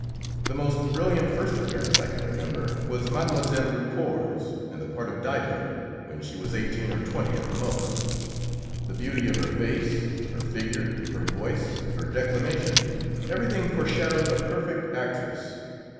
The most brilliant first appearance I can remember was Mlle. Raucourt's in the part of Dido, when she was eighteen or twenty at the most. The beauty of her face, her figure, her voice, her declamation everything foreshadowed a perfect actress.